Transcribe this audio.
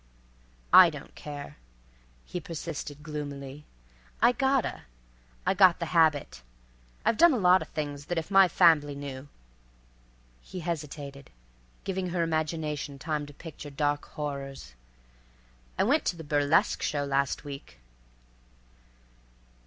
_" "I don't care," he persisted gloomily. "I gotta. I got the habit. I've done a lot of things that if my fambly knew"—he hesitated, giving her imagination time to picture dark horrors—"I went to the burlesque show last week."